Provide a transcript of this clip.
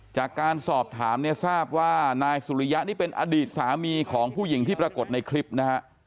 จากการสอบถามเนี่ยทราบว่านายสุริยะนี่เป็นอดีตสามีของผู้หญิงที่ปรากฏในคลิปนะฮะ